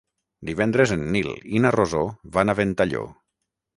Divendres en Nil i na Rosó van a Ventalló.